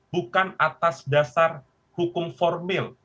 bukan atas dasar hukum formil